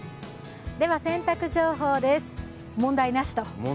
洗濯情報です、問題なしと。